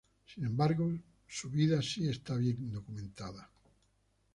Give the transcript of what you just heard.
Sin embargo, su vida sí está bien documentada.